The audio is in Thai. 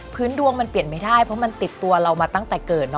ดวงมันเปลี่ยนไม่ได้เพราะมันติดตัวเรามาตั้งแต่เกิดเนอ